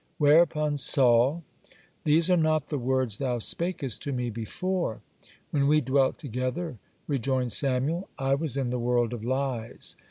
Whereupon Saul: "These are not the words thou spakest to me before." (76) "When we dwelt together," rejoined Samuel, "I was in the world of lies.